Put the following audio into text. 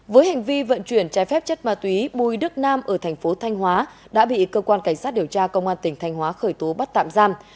với hành vi vận chuyển trái phép chất ma túy bùi đức nam ở thành phố thanh hóa đã bị cơ quan cảnh sát điều tra công an tỉnh thanh hóa khởi tố bắt tạm giam